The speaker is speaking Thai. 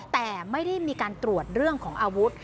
แต่ไม่ได้มีการตรวจเรื่องของอาวุธ